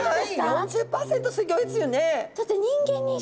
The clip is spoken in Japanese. ４０％すギョいですよね。